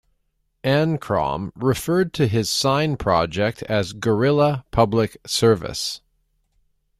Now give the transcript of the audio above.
Ankrom referred to his sign project as "Guerilla Public Service".